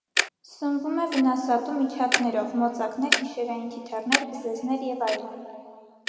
Սնվում է վնասատու միջատներով (մոծակներ, գիշերային թիթեռներ, բզեզներ և այլն)։